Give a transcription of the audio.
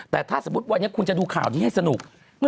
แต่ถ้าสมมุติวันนี้คุณจะดูข่าวนี้ให้สนุก